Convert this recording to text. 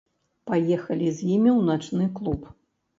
Паехалі з імі ў начны клуб.